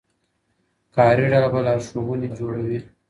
کاري ډله به لارښوونې جوړوي.